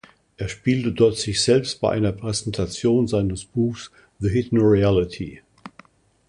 Er spielt dort sich selbst bei einer Präsentation seines Buchs "The Hidden Reality".